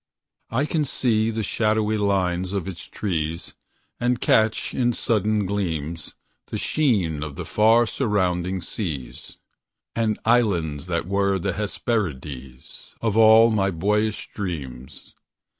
I can see the shadowy lines of its trees, And catch, in sudden gleams, The sheen of the far surrounding seas, And islands that were the Hersperides Of all my boyish dreams.